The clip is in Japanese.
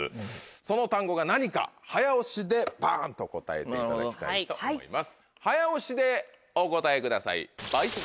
その単語が何か早押しでバンと答えていただきたいと思います。